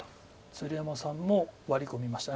鶴山さんもワリ込みました。